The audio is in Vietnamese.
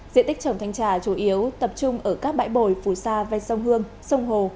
diện tích trồng thanh trà chủ yếu tập trung ở các bãi bồi phù sa ven sông hương sông hồ